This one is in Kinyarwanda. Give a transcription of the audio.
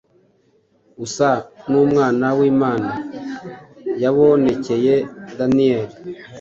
Usa n’umwana w’Imana yabonekeye Daniyeli.